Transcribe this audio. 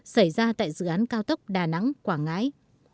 xảy ra tại dự án cao tốc đà nẵng quảng ngãi